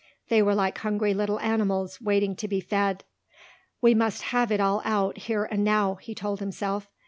They were like hungry little animals waiting to be fed. "We must have it all out here and now," he told himself.